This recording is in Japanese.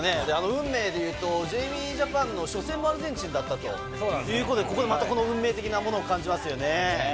運命で言うと、ジェイミージャパンの初戦もアルゼンチンだったということで、この運命的なものを感じますよね。